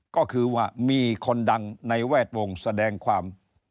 ก็คือว่ามีคนดังในแวดวงแสดงความ